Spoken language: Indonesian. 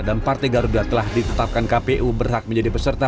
dan partai garuda telah ditetapkan kpu berhak menjadi peserta